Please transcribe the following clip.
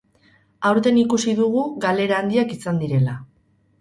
Aurten ikusi dugu galera handiak izan direla.